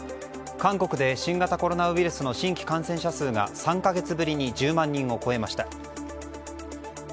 韓国で新型コロナウイルスの新規感染者数が３か月ぶりに１０万人を超えました。